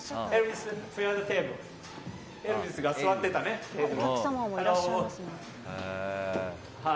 エルヴィスが座ってたテーブル。